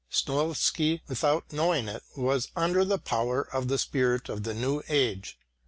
Snoilsky, without knowing it, was under the power of the spirit of the new age.